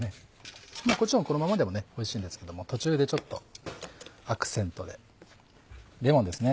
もちろんこのままでもおいしいんですけども途中でちょっとアクセントでレモンですね。